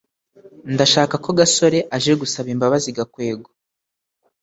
ndashaka ko gasore aje gusaba imbabazi gakwego